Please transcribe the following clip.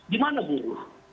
di mana buruh